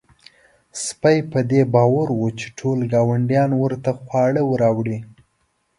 سپی په دې باور و چې ټول ګاونډیان ورته خواړه راوړي.